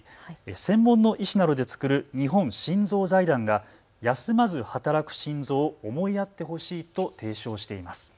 専門の医師などで作る日本心臓財団が休まず働く心臓を思いやってほしいと提唱しています。